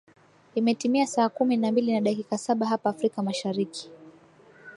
imetimia saa kumi na mbili na dakika saba hapa afrika mashariki